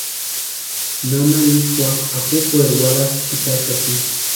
Nana Licha wapʼa apupueri warhasï pʼitaxati.